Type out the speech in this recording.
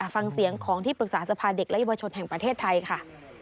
ฟังเสียงของที่ปรึกษาสภาเด็กและเยาวชนแห่งประเทศไทยค่ะ